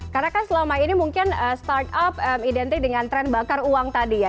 karena kan selama ini mungkin start up identik dengan trend bakar uang tadi ya